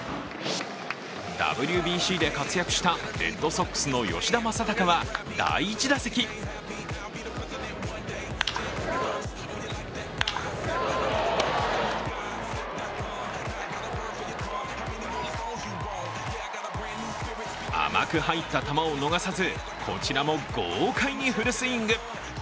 ＷＢＣで活躍したレッドソックスの吉田正尚は第１打席甘く入った球を逃さずこちらも豪快にフルスイング。